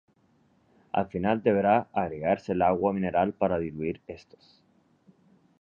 Al final deberá agregarse el agua mineral para diluir estos.